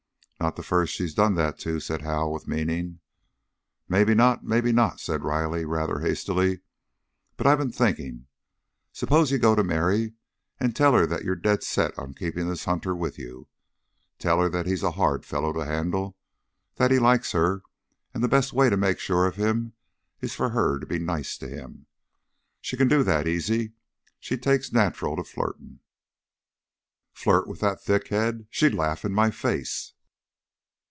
"Not the first she's done that to," said Hal with meaning. "Maybe not. Maybe not," said Riley rather hastily. "But I been thinking. Suppose you go to Mary and tell her that you're dead set on keeping this Hunter with you. Tell her that he's a hard fellow to handle, that he likes her, and that the best way to make sure of him is for her to be nice to him. She can do that easy. She takes nacheral to flirting." "Flirt with that thick head? She'd laugh in my face."